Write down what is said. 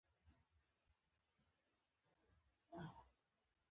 د میرمنو کار د اختراع سبب ګرځي.